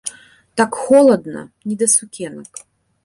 Так холадна, не да сукенак!